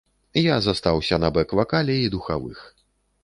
Я застаўся на бэк-вакале і духавых.